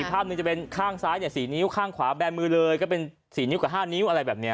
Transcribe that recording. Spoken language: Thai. อีกภาพหนึ่งจะเป็นข้างซ้ายเนี่ยสี่นิ้วข้างขวาแบมมือเลยก็เป็นสี่นิ้วกับห้านิ้วอะไรแบบเนี่ย